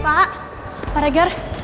pak pak reger